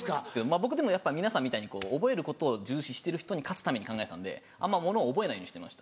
僕皆さんみたいに覚えることを重視してる人に勝つために考えてたんであんまものを覚えないようにしてました。